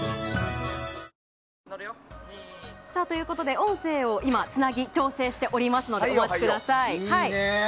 音声をつなぎ調整しておりますのでお待ちください。